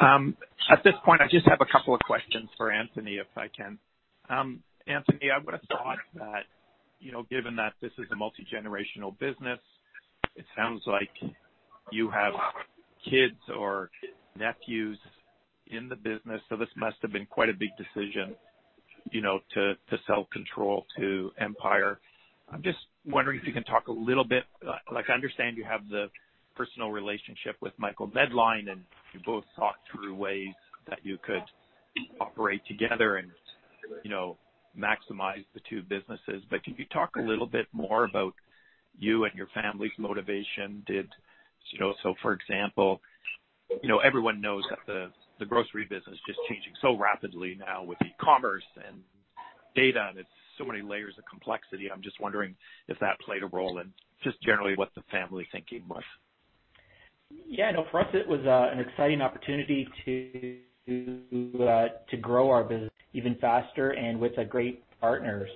At this point, I just have a couple of questions for Anthony, if I can. Anthony, I would've thought that, given that this is a multi-generational business, it sounds like you have kids or nephews in the business, this must have been quite a big decision, to sell control to Empire. I'm just wondering if you can talk a little bit. I understand you have the personal relationship with Michael Medline, you both thought through ways that you could operate together and maximize the two businesses. Can you talk a little bit more about you and your family's motivation? For example, everyone knows that the grocery business is just changing so rapidly now with e-commerce and data, it's so many layers of complexity. I'm just wondering if that played a role in just generally what the family thinking was. Yeah, no, for us it was an exciting opportunity to grow our business even faster and with a great partner.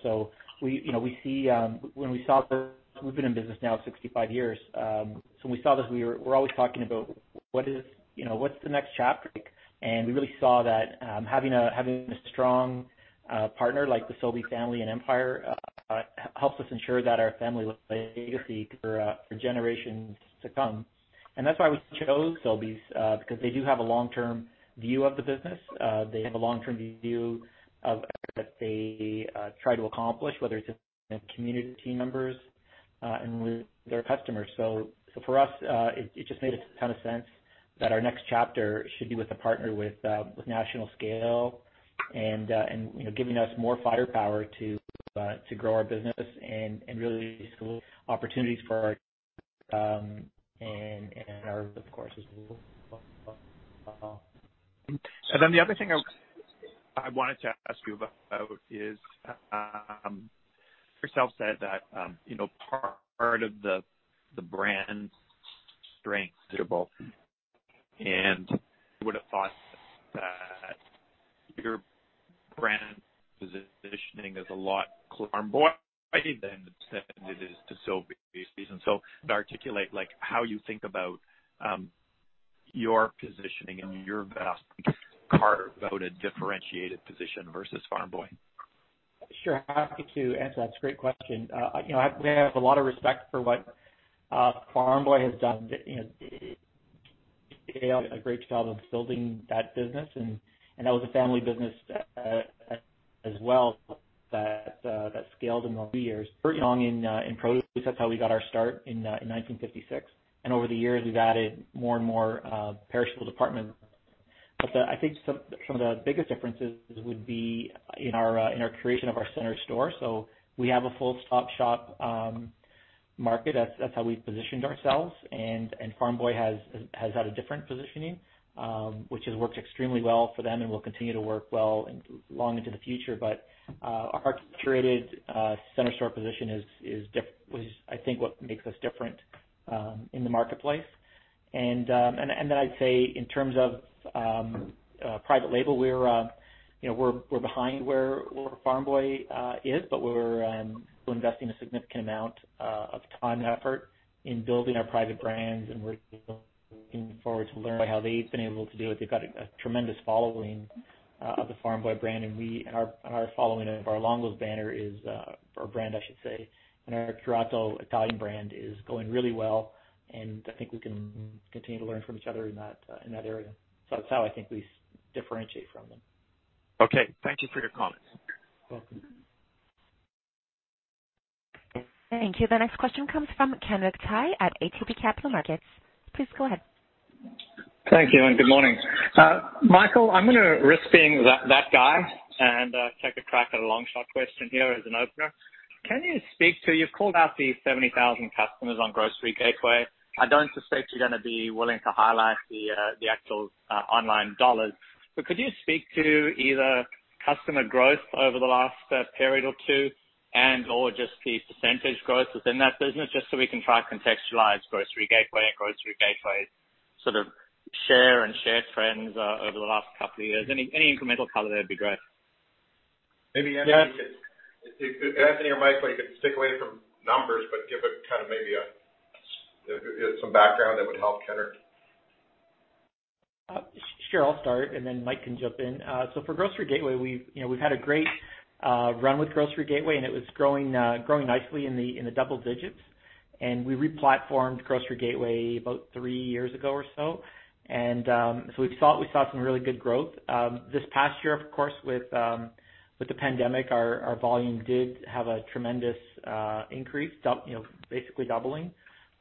We've been in business now 65 years. When we saw this, we're always talking about what's the next chapter? We really saw that having a strong partner like the Sobey family and Empire, helps us ensure that our family legacy for generations to come. That's why we chose Sobeys, because they do have a long-term view of the business. They have a long-term view of what they try to accomplish, whether it's with community members and with their customers. For us, it just made a ton of sense that our next chapter should be with a partner with national scale and giving us more firepower to grow our business and really scope opportunities for our and our of course as well. The other thing I wanted to ask you about is, yourself said that part of the brand strength, I would've thought that your brand positioning is a lot closer to Farm Boy than it is to Sobeys. Articulate how you think about your positioning and your best carve-out a differentiated position versus Farm Boy. Sure. Happy to answer that. It's a great question. We have a lot of respect for what Farm Boy has done, they did a great job of building that business and that was a family business as well that scaled in those few years. We're young in produce. That's how we got our start in 1956. Over the years, we've added more and more perishable departments. I think some of the biggest differences would be in our creation of our center store. We have a full-stop shop market. That's how we've positioned ourselves and Farm Boy has had a different positioning, which has worked extremely well for them and will continue to work well long into the future. Our curated center store position is I think what makes us different in the marketplace. Then I'd say in terms of private label, we're behind where Farm Boy is, but we're still investing a significant amount of time and effort in building our private brands, and we're looking forward to learn how they've been able to do it. They've got a tremendous following of the Farm Boy brand and our following of our Longo's banner or brand, I should say. Our Curato Italian brand is going really well, and I think we can continue to learn from each other in that area. That's how I think we differentiate from them. Okay. Thank you for your comments. Welcome. Thank you. The next question comes from Kenric Tyghe at ATB Capital Markets. Please go ahead. Thank you, and good morning. Michael, I'm going to risk being that guy and take a crack at a long shot question here as an opener. Can you speak to, you've called out the 70,000 customers on Grocery Gateway. I don't suspect you're gonna be willing to highlight the actual online dollars. Could you speak to either customer growth over the last period or two and/or just the percentage growth within that business, just so we can try contextualize Grocery Gateway and Grocery Gateway sort of share and share trends over the last couple of years? Any incremental color there'd be great. Maybe Anthony or Michael, you could stick away from numbers, but give kind of maybe some background that would help Ken here. Sure. I'll start, then Mike can jump in. For Grocery Gateway, we've had a great run with Grocery Gateway, it was growing nicely in the double digits. We re-platformed Grocery Gateway about three years ago or so. We saw some really good growth. This past year, of course, with the pandemic, our volume did have a tremendous increase, basically doubling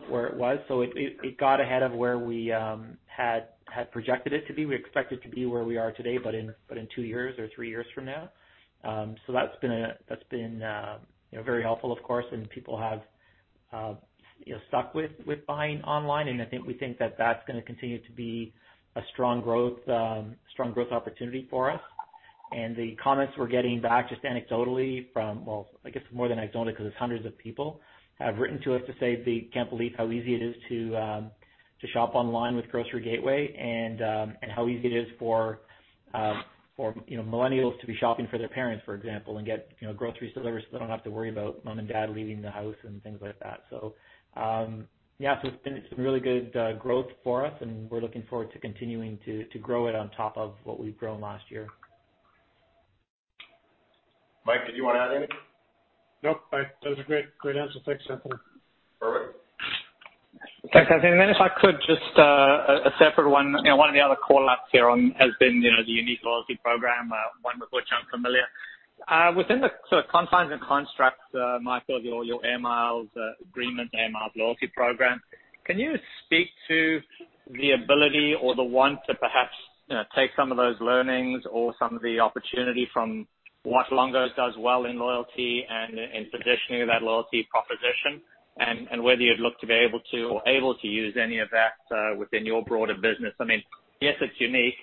where it was. It got ahead of where we had projected it to be. We expect it to be where we are today, in two years or three years from now. That's been very helpful, of course, people have stuck with buying online. I think we think that that's going to continue to be a strong growth opportunity for us. The comments we're getting back just anecdotally from Well, I guess more than anecdotally because it's hundreds of people have written to us to say they can't believe how easy it is to shop online with Grocery Gateway and how easy it is for millennials to be shopping for their parents, for example, and get groceries delivered so they don't have to worry about mom and dad leaving the house and things like that. Yeah. It's been some really good growth for us, and we're looking forward to continuing to grow it on top of what we've grown last year. Mike, did you want to add anything? Nope. That was a great answer. Thanks, Anthony. Perfect. Thanks, Anthony. Then if I could just a separate one. One of the other call-outs here on has been the unique loyalty program, one with which I'm familiar. Within the sort of confines and constructs, Michael, your Air Miles agreement, the Air Miles loyalty program, can you speak to the ability or the want to perhaps take some of those learnings or some of the opportunity from what Longo's does well in loyalty and in positioning that loyalty proposition and whether you'd look to be able to, or able to use any of that within your broader business? I mean, yes, it's unique.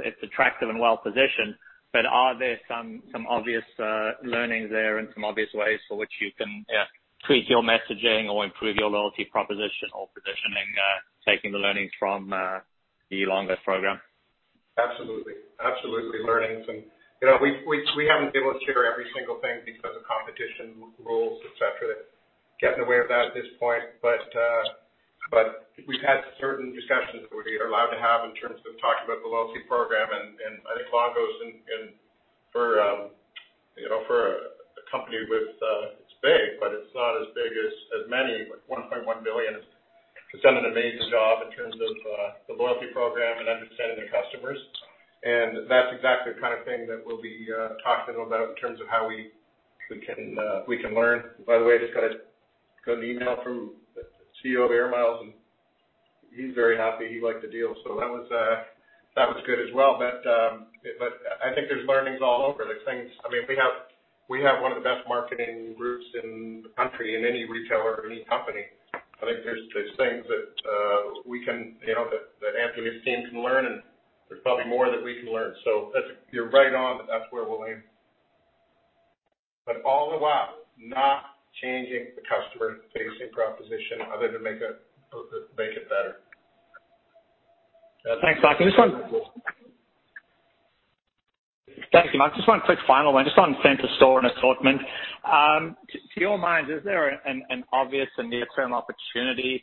It's attractive and well-positioned, but are there some obvious learnings there and some obvious ways for which you can tweak your messaging or improve your loyalty proposition or positioning, taking the learnings from the Longo's program? Absolutely. Absolutely learnings. We haven't been able to share every single thing because of competition rules, et cetera, get in the way of that at this point. We've had certain discussions that we're allowed to have in terms of talking about the loyalty program and I think Longo's for a company with It's big, but it's not as big as many, like 1.1 billion, has done an amazing job in terms of the loyalty program and understanding their customers. That's exactly the kind of thing that we'll be talking about in terms of how we can learn. By the way, just got an email from the CEO of Air Miles, and he's very happy. He liked the deal. That was good as well. I think there's learnings all over. I mean, we have one of the best marketing groups in the country in any retailer or any company. I think there's things that Anthony's team can learn, and there's probably more that we can learn. You're right on that that's where we'll aim. All the while, not changing the customer-facing proposition other than make it better. Thanks, Mike. That's it. Thank you, Mike. Just one quick final one, just on center store and assortment. To your mind, is there an obvious and near-term opportunity,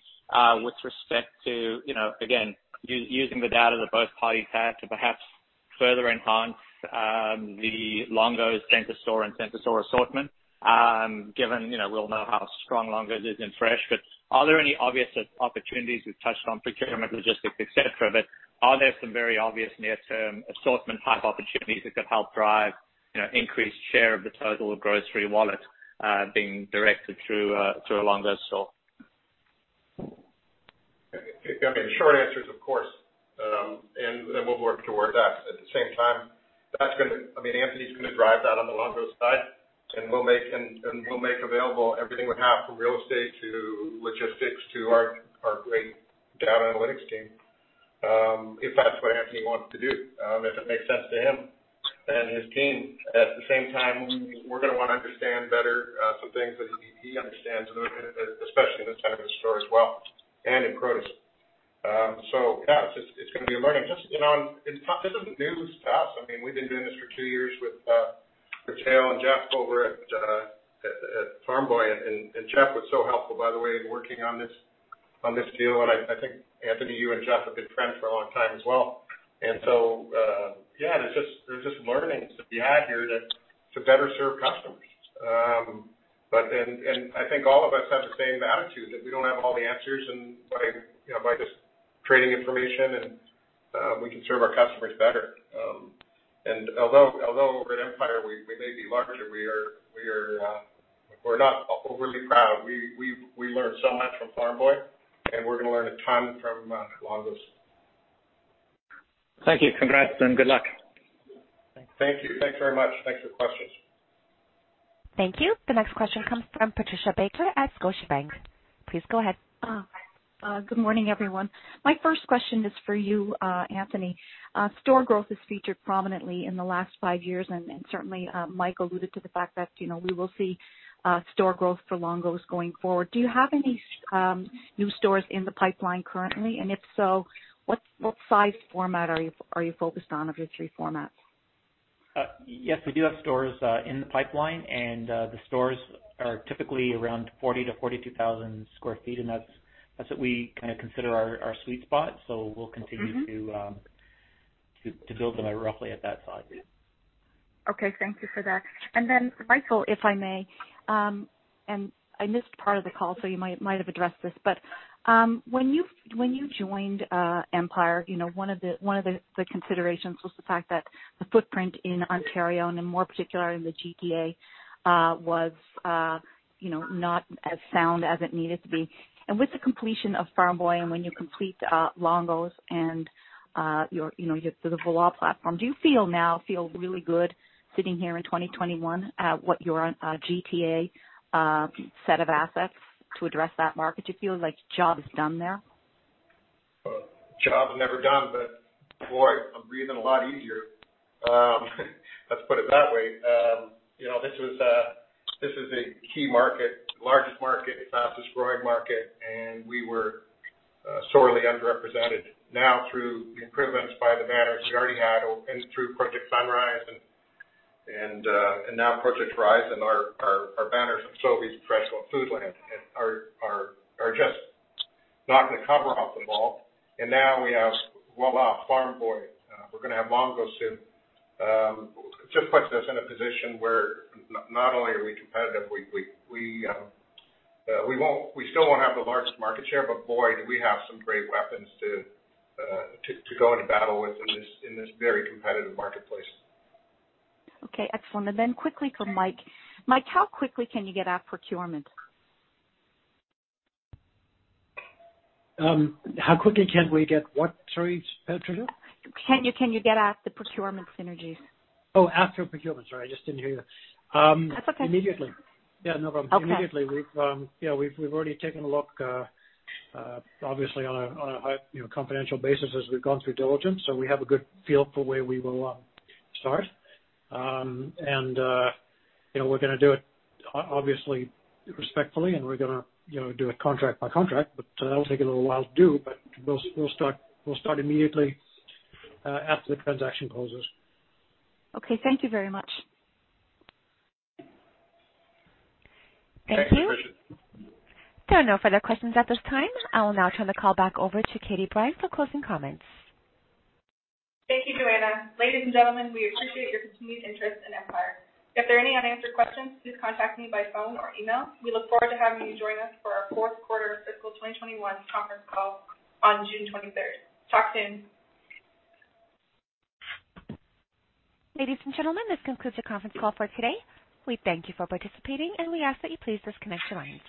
with respect to, again, us using the data that both parties have to perhaps further enhance, the Longo's center store and center store assortment? Given, we all know how strong Longo's is in fresh, but are there any obvious opportunities? We've touched on procurement, logistics, et cetera, but are there some very obvious near-term assortment type opportunities that could help drive increased share of the total grocery wallet, being directed through a Longo's store? I mean, the short answer is of course. We'll work toward that. At the same time, I mean, Anthony's gonna drive that on the Longo's side, and we'll make available everything we have from real estate to logistics to our great data analytics team. If that's what Anthony wants to do, if it makes sense to him and his team. At the same time, we're going to want to understand better some things that he understands, especially in this type of store as well and in produce. Yeah, it's going to be a learning. This isn't news to us. We've been doing this for two years with Mateo and Jeff over at Farm Boy, and Jeff was so helpful, by the way, in working on this deal, and I think, Anthony, you and Jeff have been friends for a long time as well. Yeah, there's just learnings to be had here to better serve customers. I think all of us have the same attitude, that we don't have all the answers, and by just trading information, we can serve our customers better. Although over at Empire, we may be larger, we're not overly proud. We learned so much from Farm Boy, and we're going to learn a ton from Longo's. Thank you. Congrats and good luck. Thank you. Thanks very much. Thanks for questions. Thank you. The next question comes from Patricia Baker at Scotiabank. Please go ahead. Good morning, everyone. My first question is for you, Anthony. Store growth is featured prominently in the last five years, and certainly, Mike alluded to the fact that we will see store growth for Longo's going forward. Do you have any new stores in the pipeline currently? If so, what size format are you focused on of your three formats? Yes, we do have stores in the pipeline, and the stores are typically around 40,000 to 42,000 square feet, and that's what we consider our sweet spot. We'll continue to build them out roughly at that size. Okay. Thank you for that. Then Michael, if I may, and I missed part of the call, so you might've addressed this, but when you joined Empire, one of the considerations was the fact that the footprint in Ontario and more particularly in the GTA was not as sound as it needed to be. With the completion of Farm Boy and when you complete Longo's and the Voilà platform, do you feel now really good sitting here in 2021 at what your GTA set of assets to address that market? Do you feel like the job is done there? Job's never done. Boy, I'm breathing a lot easier. Let's put it that way. This is a key market, largest market, fastest growing market. We were sorely underrepresented. Now through the improvements by the banners we already had and through Project Sunrise and now Project Horizon and our banners of Sobeys, FreshCo, and Foodland are just knocking the cover off the ball. Now we have Lawtons, Farm Boy. We're going to have Longo's soon. Just puts us in a position where not only are we competitive, we still won't have the largest market share, but boy, do we have some great weapons to go into battle with in this very competitive marketplace. Okay, excellent. Quickly for Mike. Mike, how quickly can you get at procurement? How quickly can we get what? Sorry, Patricia. Can you get at the procurement synergies? Oh, at procurement. Sorry, I just didn't hear you. That's okay. Immediately. Yeah, no problem. Okay. Immediately. We've already taken a look, obviously, on a confidential basis as we've gone through diligence, so we have a good feel for where we will start. We're gonna do it, obviously, respectfully, and we're gonna do it contract by contract, but that'll take a little while to do, but we'll start immediately after the transaction closes. Okay. Thank you very much. Thanks, Patricia. Thank you. There are no further questions at this time. I will now turn the call back over to Katie Brine for closing comments. Thank you, Joanna. Ladies and gentlemen, we appreciate your continued interest in Empire. If there are any unanswered questions, please contact me by phone or email. We look forward to having you join us for our fourth quarter fiscal 2021 conference call on June 23rd. Talk soon. Ladies and gentlemen, this concludes the conference call for today. We thank you for participating, and we ask that you please disconnect your lines.